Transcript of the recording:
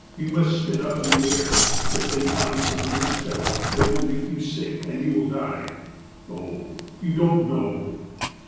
You must spit up in the air. If they find some of your spittle, they will make you sick, and you will die. Oh, you don't know."